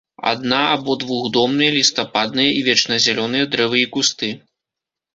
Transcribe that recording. Адна- або двухдомныя лістападныя і вечназялёныя дрэвы і кусты.